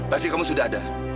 pasti kamu sudah ada